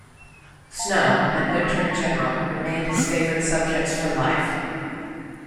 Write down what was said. Snow, and winter in general, remained his favorite subjects for life.